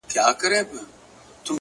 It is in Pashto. په ياد کي ساته د حساب او د کتاب وخت ته!!